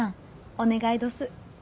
お願いどす。